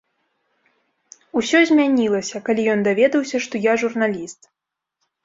Усё змянілася, калі ён даведаўся, што я журналіст.